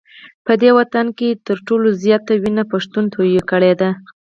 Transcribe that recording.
په دې وطن کي تر ټولو زیاته وینه پښتون توی کړې ده